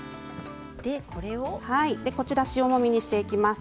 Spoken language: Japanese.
こちらを塩もみにしていきます。